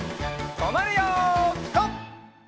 とまるよピタ！